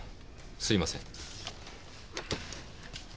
すみません。